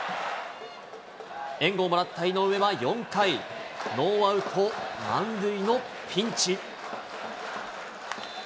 援護をもらった井上は、４回、ノーアウト満塁のピンチ。